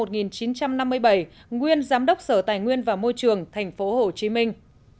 ba nguyễn hữu tín sinh năm một nghìn chín trăm năm mươi bảy nguyên giám đốc sở tài nguyên và môi trường thành phố hồ chí minh